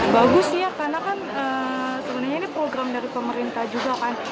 bagus sih ya karena kan sebenarnya ini program dari pemerintah juga kan